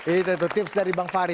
itu tips dari bang fahri